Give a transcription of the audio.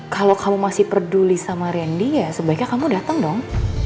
kalau kamu masih peduli sama randy ya sebaiknya kamu datang dong